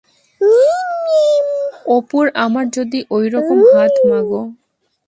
অপুর আমার যদি ওইরকম হাত-মাগো!